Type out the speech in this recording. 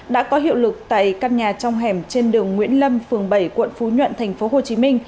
đã có hiệu lực tại căn nhà trong hẻm trên đường nguyễn lâm phường bảy quận phú nhuận tp hcm